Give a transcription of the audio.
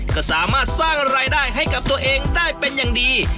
ก็สามารถสร้างรายได้ให้กับตัวเองได้เป็นอย่างดี